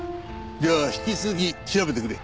じゃあ引き続き調べてくれ。